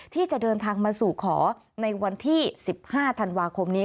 ที่จะเดินทางมาสู่ขอในวันที่๑๕ธันวาคมนี้